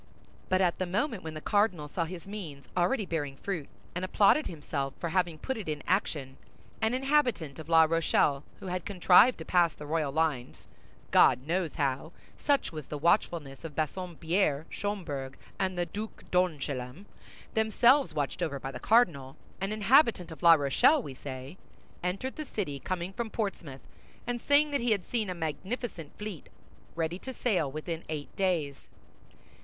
But at the moment when the cardinal saw his means already bearing fruit, and applauded himself for having put it in action, an inhabitant of La Rochelle who had contrived to pass the royal lines—God knows how, such was the watchfulness of Bassompierre, Schomberg, and the Duc d'Angoulême, themselves watched over by the cardinal—an inhabitant of La Rochelle, we say, entered the city, coming from Portsmouth, and saying that he had seen a magnificent fleet ready to sail within eight days.